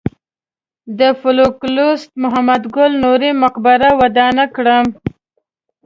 د فولکلوریست محمد ګل نوري مقبره ودانه کړم.